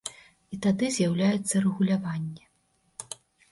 І тады з'яўляецца рэгуляванне.